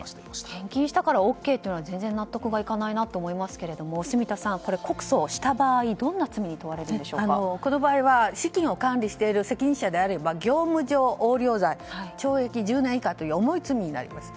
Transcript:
返金したからＯＫというのは全然納得いかないなと思いますけど住田さん、告訴した場合この場合、資金を管理している責任者であれば業務上横領罪懲役１０年以下という重い罪になります。